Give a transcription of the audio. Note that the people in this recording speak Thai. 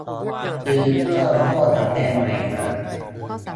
ซื้อเครื่องคั่วกาแฟใหม่มา